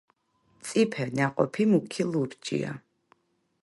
მწიფე ნაყოფი მუქი ლურჯია.